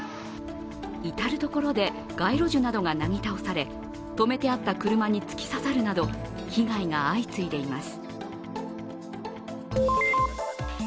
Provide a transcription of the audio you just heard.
至る所で街路樹などがなぎ倒され止めてあった車に突き刺さるなど被害が相次いでいます。